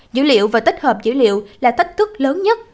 dữ liệu và tích hợp dữ liệu là thách thức lớn nhất